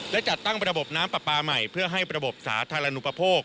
และจัดตั้งระบบน้ำปลาปลาใหม่เพื่อให้ระบบสาธารณูปโภค